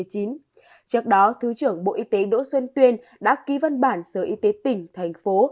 trước đó thứ trưởng bộ y tế đỗ xuân tuyên đã ký văn bản sở y tế tỉnh thành phố